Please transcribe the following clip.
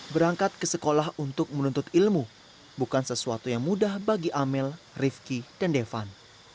berangkat ke sekolah untuk menuntut ilmu bukan sesuatu yang mudah bagi amel rifki dan devan